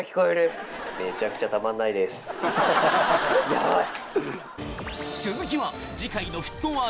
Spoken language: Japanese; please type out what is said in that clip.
ヤバい！